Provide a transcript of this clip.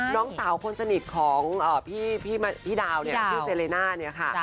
น้องสาวคนสนิทของพี่ดาวเนี่ยชื่อเซเลน่าเนี่ยค่ะ